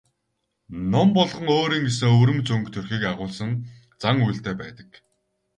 Ном болгон өөрийн гэсэн өвөрмөц өнгө төрхийг агуулсан зан үйлтэй байдаг.